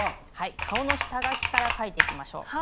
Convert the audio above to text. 顔の下描きから描いていきましょう。